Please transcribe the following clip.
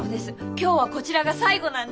今日はこちらが最後なんです。